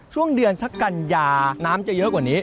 ช่วงเดือนสักกัญญาน้ำจะเยอะกว่านี้